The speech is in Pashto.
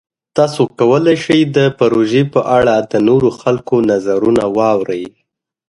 تاسو کولی شئ د پروژې په اړه د نورو خلکو نظرونه واورئ.